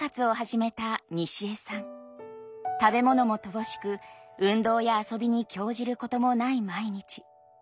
食べ物も乏しく運動や遊びに興じることもない毎日。